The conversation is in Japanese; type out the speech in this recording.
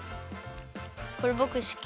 これぼくすき！